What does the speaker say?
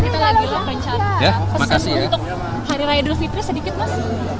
terima kasih untuk harirai dufitri sedikit mas